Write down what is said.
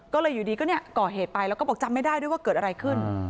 ก็เลยอยู่ดีก็เนี่ยก่อเหตุไปแล้วก็บอกจำไม่ได้ด้วยว่าเกิดอะไรขึ้น